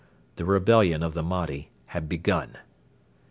The rebellion of the Mahdi had begun.